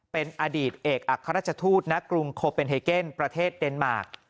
เป็นอดีตเอกอัครราชทูตณกรุงโคเป็นเฮเกนประเทศเดนมาร์ค